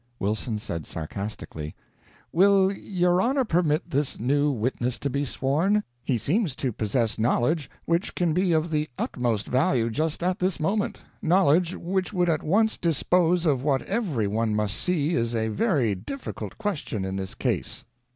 Wilson said, sarcastically: "Will your honor permit this new witness to be sworn? He seems to possess knowledge which can be of the utmost value just at this moment knowledge which would at once dispose of what every one must see is a very difficult question in this case.